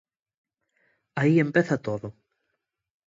Aí empeza todo.